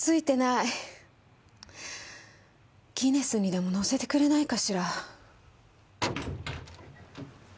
ギネスにでも載せてくれないかしら？